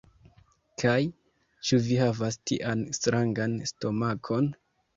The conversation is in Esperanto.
Kaj, ĉu vi havas tian strangan stomakon?